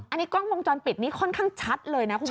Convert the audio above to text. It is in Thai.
อันนี้กล้องวงจรปิดนี้ค่อนข้างชัดเลยนะคุณ